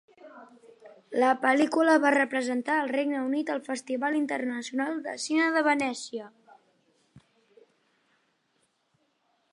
La pel·lícula va representar al Regne Unit al Festival internacional de cine de Venècia.